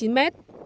nếu có thể